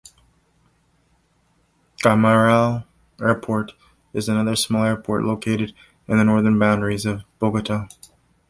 Guaymaral Airport is another small airport located in the northern boundaries of Bogota.